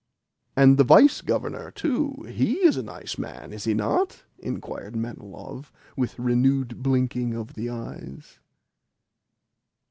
"And the Vice Governor, too he is a nice man, is he not?" inquired Manilov with renewed blinkings of the eyes.